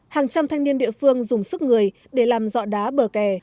hàng trăm thanh niên địa phương dùng sức người để làm dọ đá bờ kè